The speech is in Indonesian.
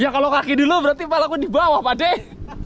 ya kalau kaki dulu berarti kepala gue di bawah pak deh